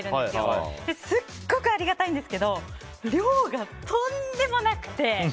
すごくありがたいんですけど量がとんでもなくて。